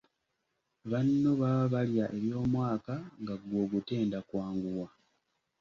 Banno baba balya eby’omwaka, nga ggwe ogutenda kwanguwa.